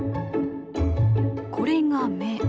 これが目。